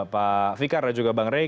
pak fikar dan juga bang rey